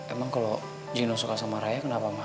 emang kalau gino suka sama raya kenapa mah